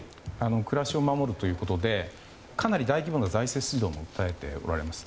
暮らしを守るということでかなり大規模な財政出動をされています。